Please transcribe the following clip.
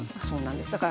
そうなんです。